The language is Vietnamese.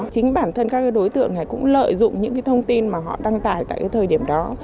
chính bản thân các đối tượng này cũng lợi dụng những thông tin mà họ đăng tải tại thời điểm đó